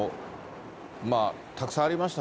たくさんありました